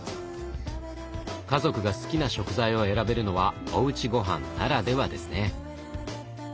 家族が好きな食材を選べるのはおうちごはんならではですね。